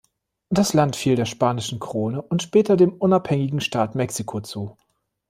Das Land fiel der spanischen Krone und später dem unabhängigen Staat Mexiko zu.